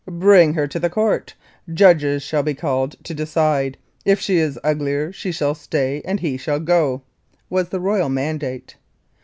"Bring her to the court. Judges shall be called to decide. If she is uglier she shall stay and he shall go," was the royal mandate.